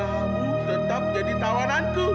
kamu tetap jadi tawananku